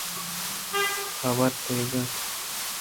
حبر دیگ